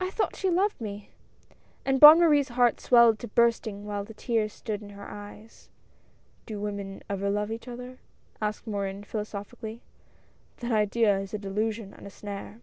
I thought she loved me!" and Bonne Marie's heart swelled to bursting while the tears stood in her eyes. "Do women ever love each other?" asked Morin philosophically, —" that idea is a delusion and a snare."